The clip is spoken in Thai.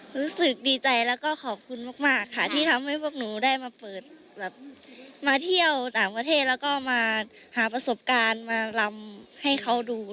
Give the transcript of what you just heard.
รู้สึกดีใจแล้วก็ขอบคุณมากค่ะที่ทำให้พวกหนูได้มาเปิดแบบมาเที่ยวต่างประเทศแล้วก็มาหาประสบการณ์มารำให้เขาดู